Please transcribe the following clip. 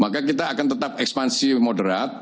maka kita akan tetap ekspansi moderat